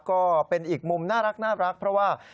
ก็เป็นอีกมุมน่ารักเพราะว่า